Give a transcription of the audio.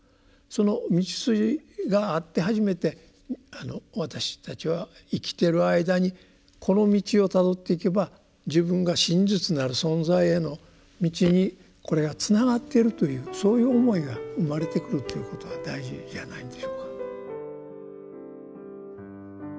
その道筋があって初めて私たちは生きてる間にこの道をたどっていけば自分が真実なる存在への道にこれがつながっているというそういう思いが生まれてくるということが大事じゃないんでしょうか。